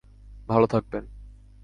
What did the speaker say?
ভালো থাকবেন।